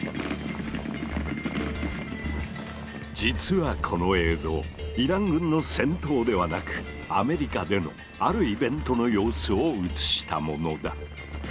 実はこの映像イラン軍の戦闘ではなくアメリカでのあるイベントの様子を映したものだ。